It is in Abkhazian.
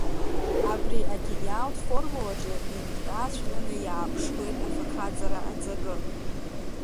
Абри агениалтә формулаҿы инҭкааҵәҟьаны иааԥшуеит афырхаҵара аҵакы.